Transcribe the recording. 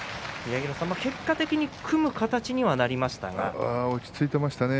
結果的には組む形になりましたね。